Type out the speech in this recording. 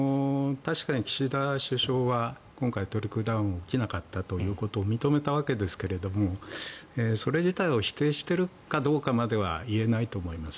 確かに岸田首相は今回トリクルダウンが起きなかったと認めたわけですがそれ自体を否定しているかどうかまでは言えないと思います。